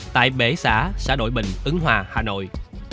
tại bể xã xã đội bình ứng hòa hà nội